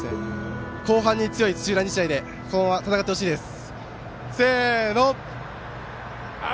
後半に強い土浦日大でこのまま戦ってほしいです。